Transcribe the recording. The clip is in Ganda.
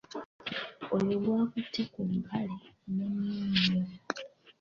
Oyo gwakutte ku empale munne nnyo.